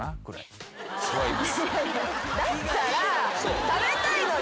だったら食べたいのを。